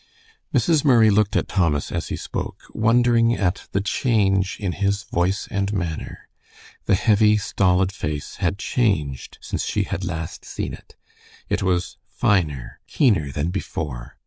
Mrs. Murray looked at Thomas as he spoke, wondering at the change in his voice and manner. The heavy, stolid face had changed since she had last seen it. It was finer, keener, than before.